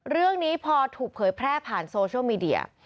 เรื่องนี้พอถูกเผยแพร่ผ่านโซเชียลมีเดีย